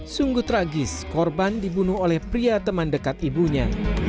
sungguh tragis korban dibunuh oleh pria teman dekat ibunya